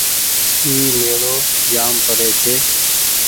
اي ميڙو جآم پري ڇي۔